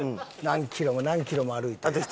何キロも何キロも歩いて。